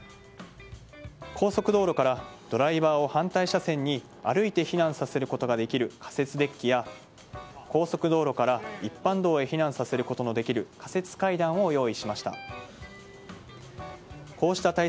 高速道路からドライバーを反対車線に歩いて避難させることができる仮設デッキや高速道路から一般道へ避難させることのできる仮設階段を用意しました。